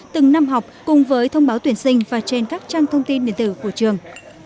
từng năm học cùng với thông báo tuyển sinh và trên các trang thông tin điện tử của trường